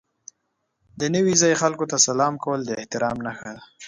د نوي ځای خلکو ته سلام کول د احترام نښه ده.